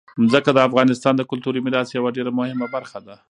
ځمکه د افغانستان د کلتوري میراث یوه ډېره مهمه برخه ده.